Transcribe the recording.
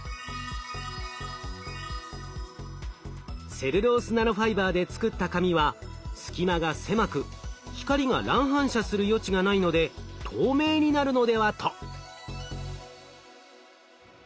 セルロースナノファイバーで作った紙は隙間が狭く光が乱反射する余地がないので透明になるのでは？と。